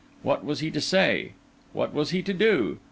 What was he to say? What was he to do?